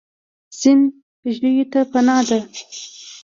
سیند ژویو ته پناه ده.